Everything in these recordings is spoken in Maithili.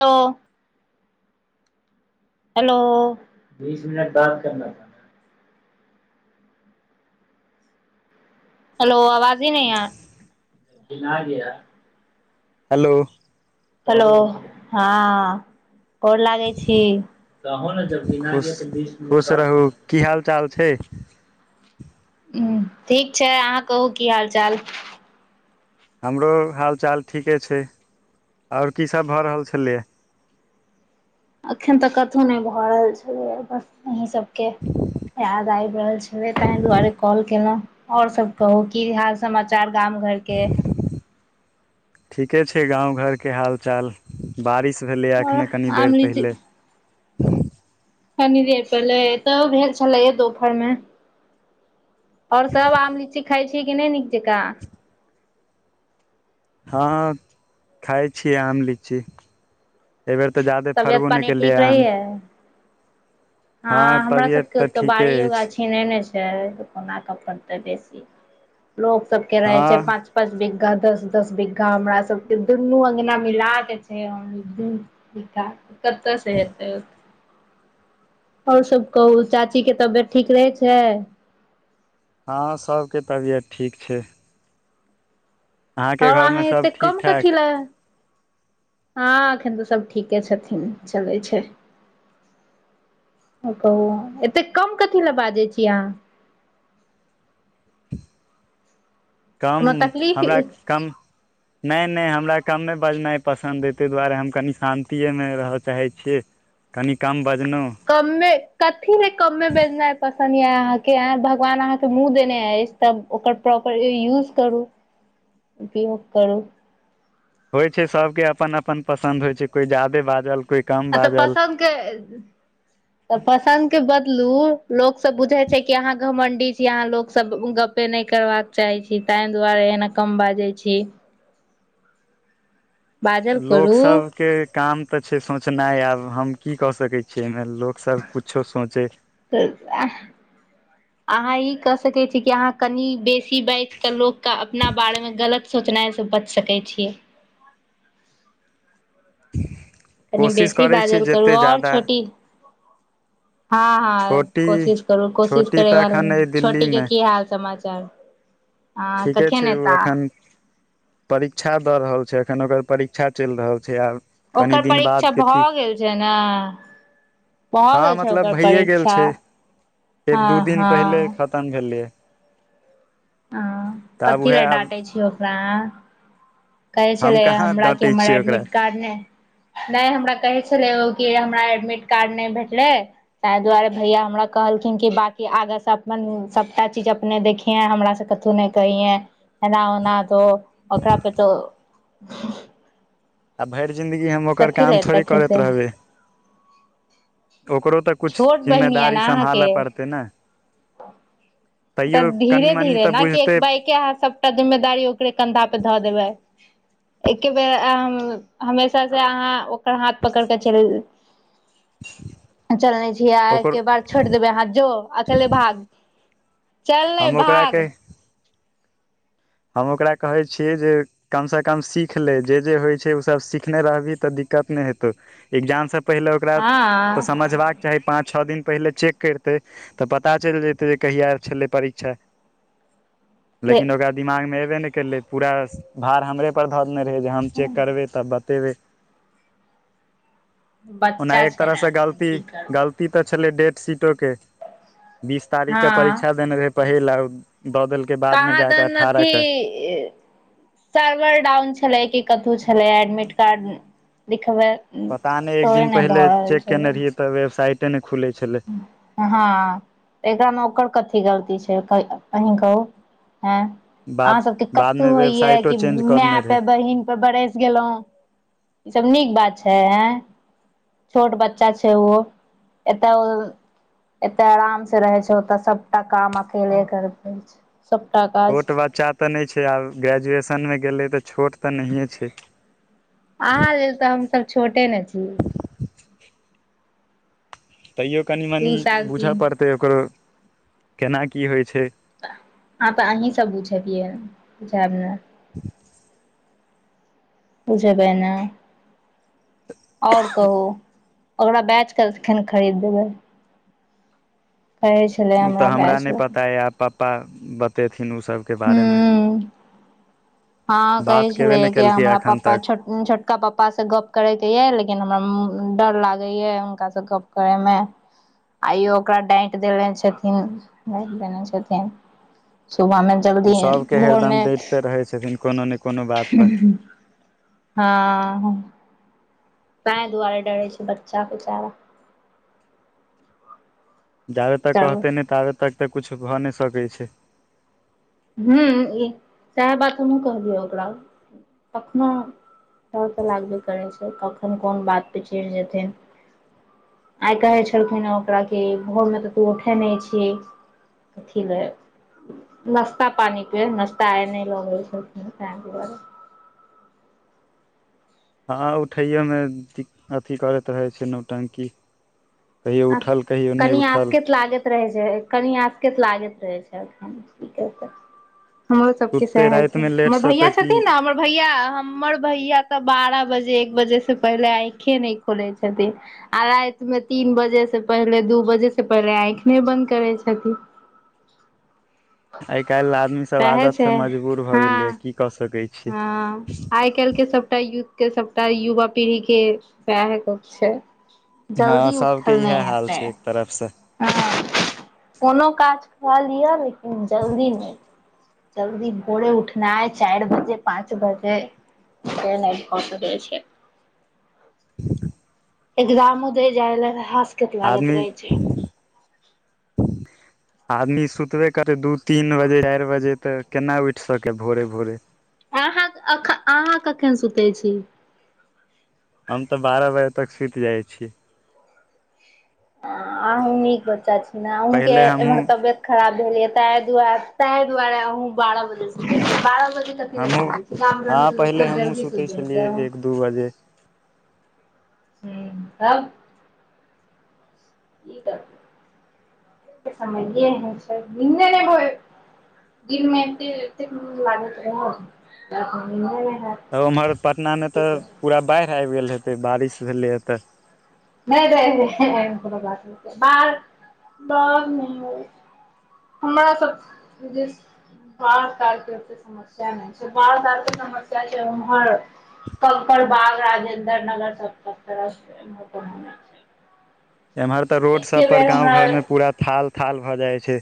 त हेलो बीस मिनट बात करना हेलो आवाज ही न यार हेलो हेलो हँ गोर लागे छी कहू ने जब गना खुश ग त बीस मिनट खुश बाद रहू की हाल चाल छै ह्म ठीक छै अहाँ कहू की हाल चाल हमरो हाल चाल ठीके छै आओर कीसभ भऽ रहल छलै [inaudible] अखन तक कतहु नहि भऽ रहल छल अंहिसभकें याद आबि रहल छै ताहिं दुआरे कॉल केलहु और सब कहु की हाल समाचार गाम घर के एकके छै गाँव घरके हाल चाल बारिश भेलैए आओर एखने कनि देर आम पहिले कनि देर पले तब भेल छलै दुपहरमे आओर सभ आम लीची खाइ छी कि नहि नीक जकाँ हँ खाइ छियै आम लीची एहि बेेर तऽ ज्यदे तबियत फरबो नहि पानी केलियै ठीक हन रहैया हँ हमरा सबके तऽ ओत ठीके बाड़ियो अछि गाछे ने छै कोना क बेसी लोकोग सबके रहे हँ छै पाँच पाँच बि घा दस दस बीघ्घा हमरा सबके दुनू अंगना मिला के छै कतऽ से हतै ओ ओर सब कहू चाचीके तबियत ठीक रहै छै हाँ सबके तबियत ठीक छै अहाँके ओर अहाँ घरमे सभ एते ठीक कम ठाक कथि ले हाँ एखन तऽ सब ठीके छथिन चलै छै कहू एतेक कम कथी लए बाजै छी अहाँ कम कोनो हमरा तकलीफ कम नहि नहि हमरा कममे बजनाई पसंद तै दुआरे हम कनि शान्तिये मे रह चाहै छी कनि कम बज कममे कथी ले कममे बजना पसं अहाँके भगवान अहाँके मुँह देने अछि तब ओकर प्रॉपर यूज करू उपयोग करु होइ छै सबके अपन अपन पसन्द होइ छै कोइ जादे बाजल कोइ कम तऽ बाजल पसन्द के तऽ पसन्द के बदलू लोक सब बुझै छै कि अहाँ घमंडी छी यहाँ लोको सब गपे नहि करबाक चाहे छी ताहि दुआरे एना कम बाजै छी बाजल लोक करू सबके काम तऽ छै सोचनाई आब हम की कऽ सकैत छियै लोक सब कुछो सोचै अहाँ ई क सके छी कि अहाँ कनि बेसी बाज क लोक क अपना बारे मे गलत सोचनाई से बच सकैत छियै कनि कोशिश बेसी करै छी बाजल करू जेते जादा हाँ हाँ कोशिश करू कोशिश छोटी करै तऽ ब एखन अइ छोटी के दिल्लीमे की हाल समाचार हँ ठीके कखन छै ओ एता एखन परीक्षा दऽ रहल छै एखन ओकर परीक्षा चलि रहल छै आब कनि ओकर दिन परीक्षा बादके भऽ टी गेल छै ना भऽ हँ गेल छै मतलब ओकर भइए गेल परीक्षा छै एक हाँ दू दिन हाँ पहिले खतम भेलैये हाँ तऽ आब कथी ले उएह आब डाँटे छी ओकरा कहे हम छले कहाँ हमरा कि डाँटै हमर छियै ओकरा एडमिट कार्ड ने नहि हमरा कहे छलै ओ हमरा एडमिट कार्ड नहि भेटले ताहि दुआरे भैया हमरा कहलखिन कि बकी आगे से अप सबटा चीज अपने देखिये हमरा से कथौ नहि कहिए एना ओना तो ओकरापे तऽ आ भरि जिन्दगी हम ओकर काम थोड़े तखे करैत से रहबै ओकरो तऽ कुछ छोट बहिन य ने जिम्मेदारी अहाँके सम्भालऽ पड़तै ने तऽ तैयो कनि धीरे मनि धीरे तऽ ने कि एक बुझतै बायके अहाँ सबटा जिम्मेदारी ओकरे कन्धा पे धऽ देबै एके बेर हमेशा से अहाँ ओकर हाथ पकड़ क चलि चलने छियै आ ओकर एकके बार छोड़ि देबै अहाँ जो अकेले भाग चल नहि हम ओकरा के भाग हम ओकरा कहैत छियै जे कमसे कम सीख ले जे जे होइत छै ओसब सिखने रहबिही तऽ दिक् हँ [unintelligible] पहिले चेक करतै तऽ पता चलि जेतै जे कहिय छलै परीक्षा से लेकिन ओकरा दिमाग मे एबे नहि कलै पूरा भार हमरे पर धऽ देने रहै जे हम चेक करबै तब बतेबै [inaudible] ओना बच्चा एक छै ने तरहसँ की करौ के बीस तारीख के हँ परीक्षा देने रहे पहिल आ दऽ देलक बाद मे जाक की सर्वर डाउन छै लै कतहु छलै एडमिट कार्ड बे पता एक तोड़े दिन नहि भऽ पहिले रहल चेक छलै केने रहियै तऽ वेबसाइटे नहि खुलै छलै हाँ एकरा नौकर कथ गलती छै अही कहू हँ अहाँ बाद सभके कतहु बादमे होइए वेबसाइटो कि चेंज कऽ माय देने पे रहै बहिन पे बरस गेलहुँ ई सब नीक बात छै आ छोट बच्चा छै ओ एतय एते आराम से रहै छै ओतऽ सबटा काम अकेले कर परय छै सबटा काज छोट बच्चा तऽ नहि छै आब ग्रेजुएशनमे गेलै तऽ छोट तऽ नहिए छै अहाँ लेल तऽ हमसभ छोटे ने छीियै एक तैयो कनि मनी दू साल बुझऽ तीन पड़तै ओकरो केना की होइ छै अह पर अहीं सब बुझबियै बुझब ने ह बुझबैना ओर कहू ओकरा बैच कल कखन खरीद देबै कहै छलै ओ तऽ हमरा बैच नहि लए पता यएब पप्पा बतयथिन ओसभके बारेमे हूँ हँ बात कहैत केबे छलियै नहि कि केलकै हमरा एखन पापा तक छोटका पापासँ गप्प करयके यइ लेकिन हमरा डर लागैए हुनकासँ गप्प करयमे आइयो ओकरा डाँटि देनेे छथिन डाँटि देने छथिन सुबह मे ओ जल्दी है सबके भोरमे हरदम डटिते रहै छथिन कोनो ने कोनो बात पर हँ तै दुआरे डरे छै बच्चा कुचारा जाबे तक कहतै नहि ताबे तक तऽ कुछु भऽ नहि सकै छै ह्म ई सएह बात हमहहुँ कहलियै ओकरा कखनो त तऽ लागबे करै छै कखन कोन बात पे चड़ि जेथिन आइ कहै छलखिन हेँ ओकरा कि भोरमे तऽ तू उठै नहि छह कथी नहि नाश्ता पानि प नाश्ता आय नहि लगे हँ उठैोमे द अथी करैत रहै छै नौटंकी कहियो उठल कहियो नहि कनि उठल आसक्त लागैत रहै छै कनि आँसकत लागैत रहै छैख की कर कऽ हमरो सबके सुतते सह छै रातिमे हमर लेटसँ भैया तऽ की छथिन ने हमर भैया हमर भैया तऽ बारह बजे बजे से पहिले आखे खोले छथिन आ राति मे तीन बजे बजे से पहिले दू बजे से पहिले आँखि नहि बन्द करै छथिन आइ काइल आदमीसभ सएह आदतसँ छै मजबूर भऽ गेलैए हँ की कऽ सकै हँ छीै आइ के सबटा य के सबटा युवा पीढ़ी के वएह छै जल्दी के उठल इएह नहि हाल हेतै छै एक तरफ से हँ कोनो काज क लिअ लेकिन जल्दी नहि जल्दी भोरे उठना ह चारि बजे पाँच बजे ह नहि कस द छै एकजाम उदे जाय ल आसकत लागत आदमी रहै छै आदमी सुतबे करै दू तीन बजे चारि बजे तऽ केना उठि सकै भोरे भोरे अहाँ अहाँ कखन सुतै छी हम तऽ बारह बजे तक सुति जाइ छी अहूँ नीक बच्चा छी ने अहँके पहिले के हमहूँ इम्हर तबियत खराब त दुआार कहुं बारह बजे सुतय छी तक हमहूँ काम हँ रहल पहिले त हमहूँ जल्दी सुतै सुतय छलियै छै एक दू बजे ह तब समय ऐहन छै निदे ना होइ छैय दिन में एतेक एतेक निंद लागत रहै तब हमर पटनामे तऽ पूरा बाढ़ि आबि गेल हेतै बारिश भेलैए तऽ नहि नहि कोनो एहन बात ब हमरा सब जे बाढ़ि तके समस्या नहि बढ़ धारके समस्या छै ओमहर कंककड़ बाग राजेन्द्र नगर सब तरफ छै एम्हर तऽ एके रोडसभपर बेर गाँव हमरा घरमे पूरा थाल थाल भऽ जाइ छै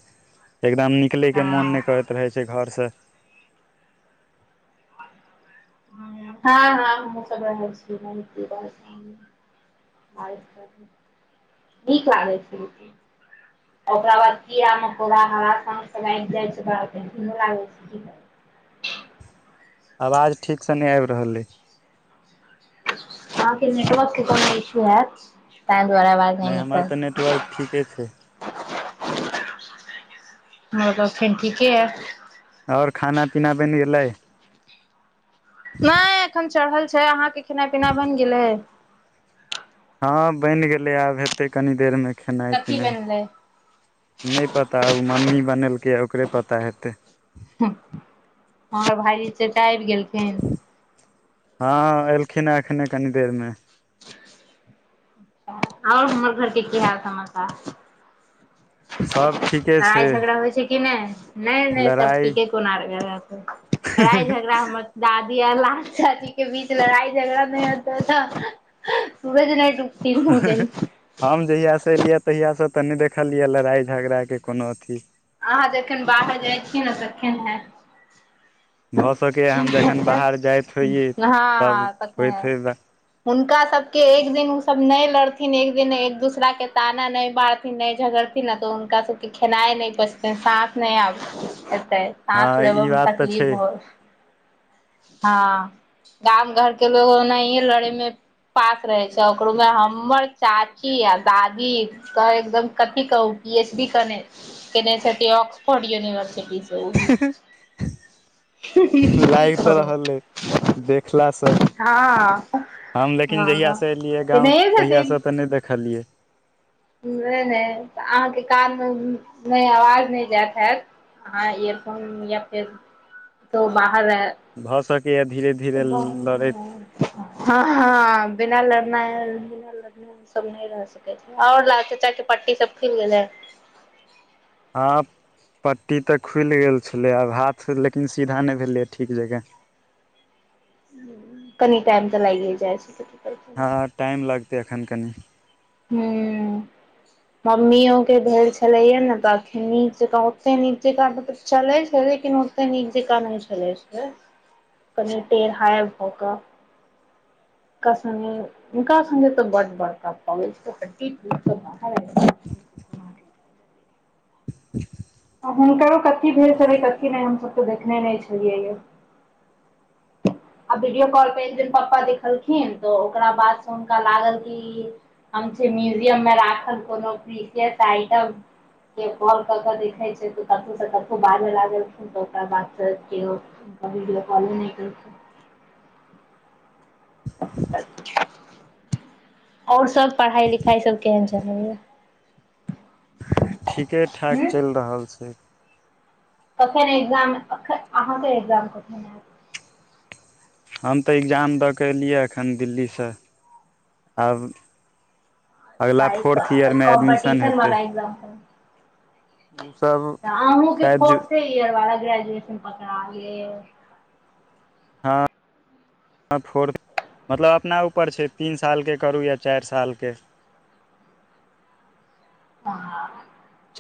एकदम निकलैय के मोन नहि हँ करैत रहै छै घर से हँ हँ हम स रहय छी छी नीक लागै छै ओकरा बाद कीड़ा मकोड़ा हरा सब आबि जाइ छै लाग छै ह आवाज ठीकसँ नहि आबि रहल अइ हग नेटवर्क के कोनो इश्यू हेत त‌ए द्वारेआवाज नहि हमर निकल तऽ नेटवर्क ठीके छै आर त फेन ठीके य आओर खाना पीना बनि गेलै नहि एखन चढ़ल छै अहाँके खेना पिना बनि गेलै हँ बनि गेलै आब हेतै कनी देर मे खेनाइ कथी पिनाइ बनलै नहि पता मम्मी बनेलकै ओकरे पता हेतै हमर भाईजी छै तऽ आबि गेलखिन हँ एलखिन हेँ एखने कनि देरमे आओर हमर घरके की हाल समाचार सब ठीके छै लड़ाइ झगड़ा होइ छै कि नहि नहि नहि सब लड़ाइ ठीके कोनार लड़ाइ झगड़ा हम द लाल चाची के बीच लड़ाइ झगड़ा नहि होत तऽ डूबथिन उ दिन हम जहियास से एलियै तहियासँ तऽ नहि देखल यऽ लड़ाइ झगड़ाके कोनो अथी अहाँ जखन बाहर जाइ छियै ने भऽ सकैए तखन हम हेत जखन बाहर जाइत होइयै तब हँ तख होइत होय [unintelligible] हुनका सब के एक दिन उ सब न लड़थिन एक दिन एक दूसरा के ताना नहि बारथिन न झगड़थिन त हुनका सबके खेनाइ नहि पचतै साँस नहि आब एतै साँस हँ ई लेबऽमे बात तऽ तकलीफ छै होत हँ गाम घर के लोग ओनाहिए लड़े मे पास रहे छै ओकरो मे हमर चाची आ दादी त एकदम कथी कहु पी एच डी कने छथिनऑकसफोर्ड यूनिवर्सिटी स लागि तऽ रहल अइ देखलासँ कह हँ [unintelligible] हम लेकिन हँ जहियास एलियै गाँंव केनहिये तहिया छथिन से तऽ नहि देखलियै नहि नहि अहाँके कानमे नहि आवाज नहि जायत हैत हँ एयरफोन या फेर त ब भऽ सके हँ हँ बिना लड़ना बिना लड़ने सब न रह सकै छै आओर लाल चचा के पटटी सब खुल गेले [unintelligible] आब पट्टी तऽ खुलि गेल छलै आब हाथ लेकिन सीधा नहि भेलैए ठीक जकाँ कनी टाइम तऽ लागिए जाइ छै हँ टाइम लगतै एखन कनी हू मम्मीयो के भेल छलैया ने तऽ अखन नीक जकाँ ओते नीक जका तऽ चलैय देख नोतै नीक जे कान छललै छै कनि टेढ़ हाायब भऽ कऽ नक से हनका सगे तऽ बड बड़क प हँ आ हुनकरो कतेक भेल छलै कतेक नहि हमसभ तऽ देखने नहि छलियैए आ वीडियो कॉल प एक दिन प्पा देखलखिन तऽ ओकरा बाद से हुनका लागल कि म्यूजियम मे राखल कोनो आइटम के कॉल कऽ के देखैत छै त कतसँ कतहु बाजल लखिन तऽ ओकरा बादसँ केओ कभी कॉल नहि कर अच्छा आओर सभ पढ़ाइ लिखाइ सभ केहन चलैया ठीके ठाक चलि रहल छै कखन ए्जाम अहाँके ए्जाम कखन आयब हम तऽ एग्जाम दऽ कऽ एलियै एखन दिल्लीसँ आब अगिला फोर्थ अच्छा ईयरमे एडमिशन कॉम्पिटिशन हेतै मला एजाम ओसभ पर अहूँके शायद जु फोर्थे इयर वा ग्रेज ग्रेजुएशन पकरा गेल हँ फोर् मतलब अपना ऊपर छै तीन सालके करू या चारि सालके त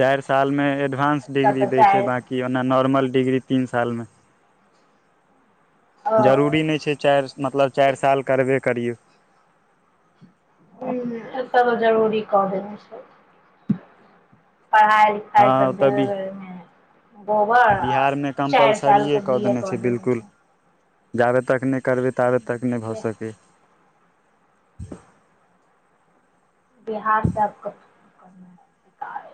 चारि साल मे एडवानंस डिग्री दय छै चाहे बाकी ओना नॉर्मल िग्री तीन साल मे ओ जरूरी नहि छै चारि मतलब चारि साल करबे करियौ ह ऐस तऽ जरूरी कर देना छै पढ़ाइ लिखाइ हँ सब ओतऽ बि देरमे बोबर बिहारमे चारि साल कम्पलसरिए क कऽ बी ए क देने हो बिलकुल छै जाबे तक नहि करबै ताबे तक नहि भऽ सकै बिहार से आब क कर शिकार